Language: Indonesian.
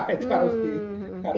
itu harus diwaspadai